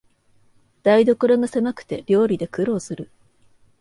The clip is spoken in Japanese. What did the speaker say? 台所がせまくて料理で苦労する